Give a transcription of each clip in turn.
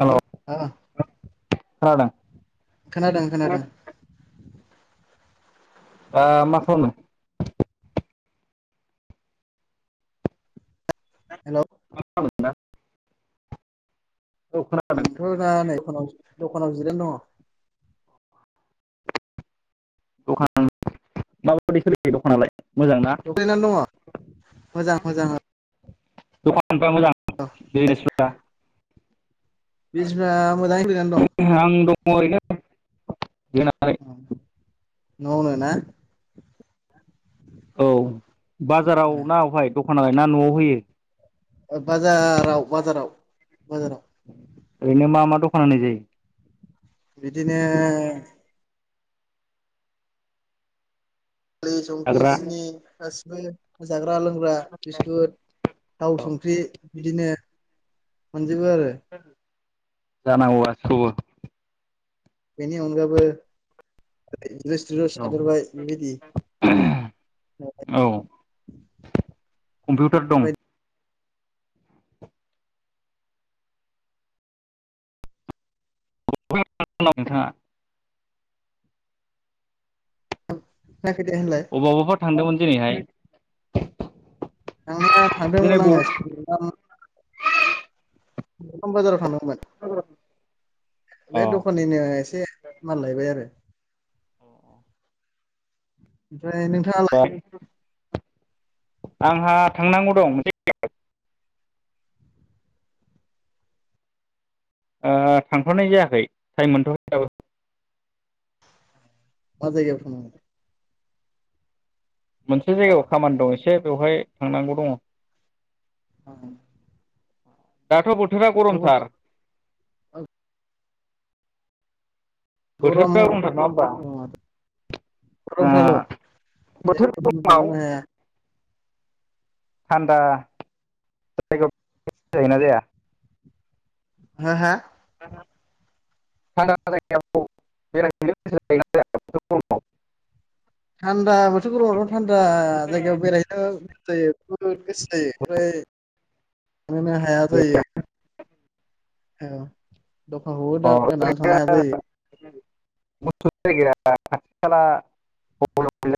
हेल' न ह खोनादों। खोनादों खोनादों ओ मा खालामनो हेलौ [unintelligible] औ खोनादों थ [unintelligible] दखानाव जिरना दंङ दखान माबाबायदि सोलियो दखानलाय दग्लायनानै दंङ मोजां मोजां द [unintelligible] बिजिनिस फोरा मोजांयै मोजां दं मरैनो [unintelligible] न आवनो ना औ बाजाराव ना अहाय दं दखानालाय ना नआव होयो बाजाराव बाजाराव बाजाराव ओरैनो मा मा दखान होनाय जायो [unintelligible] बिदिनो दालि संख्रि जाग्रा सिनि गासिबो [unintelligible] ग्रा लोंग्रा बिस्कुट थाव संख्रि बिदिनो [inaudible] जोबो आरो जानांगौ [unintelligible] बेनि अनगाबो रेस्टुरेन्टाव एसे थादेरबाय बेबायदि औ [unintelligible] कम्पिउटार दं बेफोरबायदि [unintelligible] नोंथाङा थाङाखै दे होनलाय अबावबाफोर थांदोंमोन दिनैहाय [inaudible] थांनाया दिनै थांदोंमोन ब आंङो [unintelligible] [unintelligible] बाजाराव थांदोंमोन [unintelligible] अ बे दखाननिनो एसे माल लायबाय आरो ओमफ्राय नोंथाङालाय आंहा थांनांगौ दं [unintelligible] ओ थांथ'नाय जायाखै टाइम मोनथ'याखै दाबो मा जायगायाव थांनांगौ मोनसे जायगायाव खामानि दं एसे बेवहाय थांनांगौ दङ ओम दाथ' बो थोरा गरमथार बोथोरा गरम गरमथार नङा होमबा? गरमथार औ बोथोर [unintelligible] गरमाव थानोनो हाया। थान्दा जायगायाव [unintelligible] जायोना जाया? हा हा थान्दा जायगायाव बेरायहैनो गोसो जायोना जाया बोथोर गरमाव थान्दा बोथोर गरमावथ' थान्दा जायगायाव बेरायहनोथ गोसो जायो [unintelligible] गोसो जायो ओमफ्राय थांनोनो हाया जायो। औ दखानखौबो अ दा गारनानै थांनो हाया ओरैनो जायो। [unintelligible]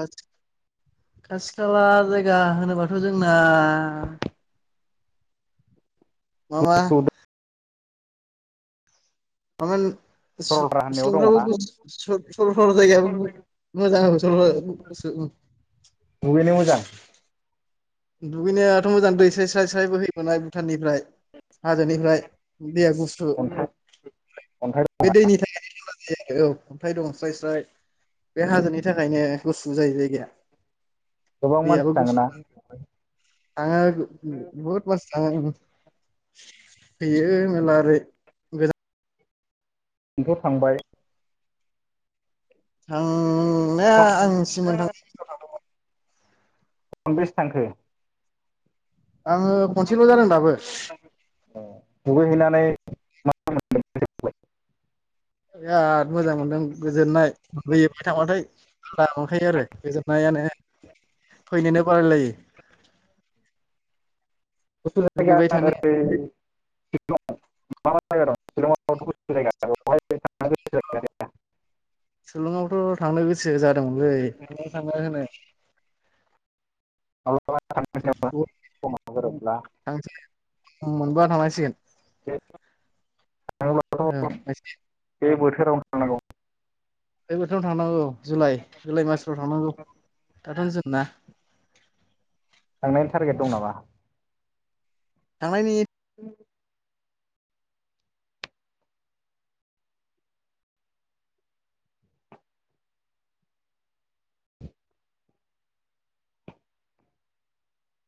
खाथि खाला जाय बिगा होनोबाथ जोंना मामा गुसु मामोन सरलपारा होननायाव सि-सिलंफ्राबो दङना गुसु सर-सरलफारा जायगायाबो मोजां दुगैनो मोजां [unintelligible] दुैनायाथ मोजां दै साय स्राय स्राय बोहै होनाय भुटाननिफ्राय हाजोनिफ्राय दैया गुसु अन्थाइ अन्थाइ बे दंना दैनि थाखायनो [unintelligible] जे औ अन्थाइ दं स्राय स्राय बे हाजोनि थाखायनो गुसु जायो जायगाया गोबां दैयाबो मानसि गुसु थाङोना? थाङो बुहुत मानसि [unintelligible] नोंथ थांबाय थां थांनाया आं सिमोन थांनाय खनबेसे बोसोराव थांखांबाय। खनबैसो थांखो? आङो खनसेल' जादों दाबो । नै [unintelligible] बिराद मोजां मोनदों गोजोननाय होयो बियाव थांबाथाय [unintelligible] आरो गोजोननायानो फैनोनो बालायलायो । [unintelligible] सिलंआव मा मा जायगा दं? सिलंआव [unintelligible] सिलंआवथ थांनो गोसो जादोंमोनलै [unintelligible] थांनो होनो [unintelligible] [unintelligible] समाबो गोरोबला । उनाव मोनबा थांनांसिगोन । [unintelligible] ओ थांसै । बे बोथोरावनो थांनांगौ । बे बोथोराव थांनांगौ जुलाइ ‌ जुलाइ मासफ्राव थांनांगौ । [unintelligible] थांनायनि टारगेट दं नामा? थांनायनि [inaudible]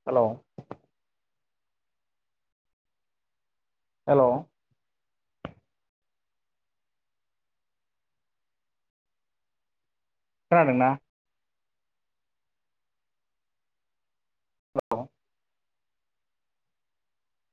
हेलौ हेल' खोनादोंना? हेल'